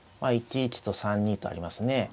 １一と３二とありますね。